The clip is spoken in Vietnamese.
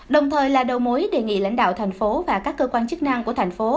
đồng thời là đầu mối đề nghị lãnh đạo thành phố và các cơ quan chức năng của thành phố